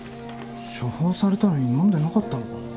処方されたのに飲んでなかったのかな。